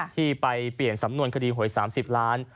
ที่ไปเปลี่ยนสำนวนคดีหวย๓๐ล้าน